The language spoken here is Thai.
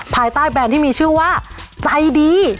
ภายใต้แบรนด์ที่มีชื่อว่าใจดี